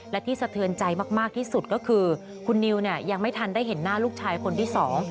และที่สะเทือนใจมากที่สุดก็คือคุณนิวเนี่ยยังไม่ทันได้เห็นหน้าลูกชายคนที่สอง